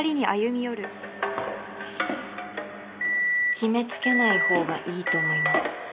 決め付けない方がいいと思います。